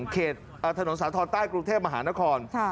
เขตถนนสาธรณ์ใต้กรุงเทพมหานคร